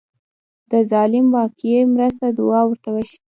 د ظالم واقعي مرسته دعا ورته وشي.